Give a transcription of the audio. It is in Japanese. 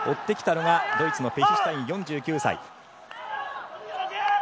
追ってきたのはドイツの選手ペヒシュタイン、４９歳。